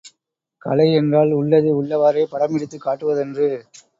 கலை என்றால் உள்ளதை உள்ளவாறே படம் பிடித்துக் காட்டுவதன்று.